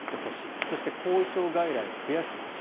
そして、後遺症外来を増やしてほしい。